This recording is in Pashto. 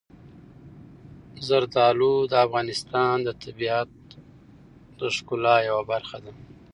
زردالو د افغانستان د طبیعت د ښکلا یوه برخه ده.